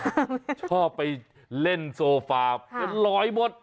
ชอบไปเล่นโซฟาเป็นรอยหมด